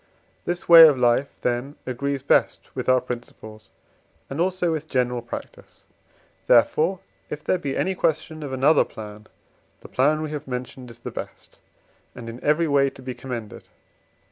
This way of life, then, agrees best with our principles, and also with general practice; therefore, if there be any question of another plan, the plan we have mentioned is the best, and in every way to be commended.